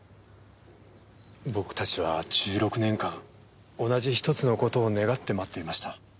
僕たちは１６年間同じひとつの事を願って待っていました。